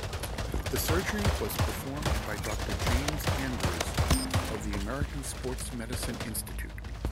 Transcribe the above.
The surgery was performed by Doctor James Andrews of the American Sports Medicine Institute.